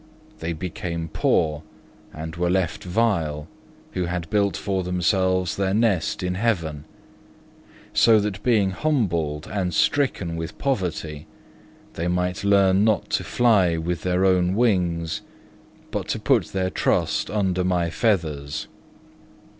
They became poor and were left vile, who had built for themselves their nest in heaven; so that being humbled and stricken with poverty, they might learn not to fly with their own wings, but to put their trust under My feathers.